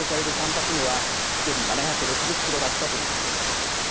３発目は飛距離７６０キロだったということです。